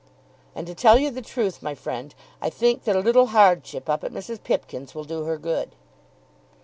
"And to tell you the truth, my friend, I think that a little hardship up at Mrs. Pipkin's will do her good."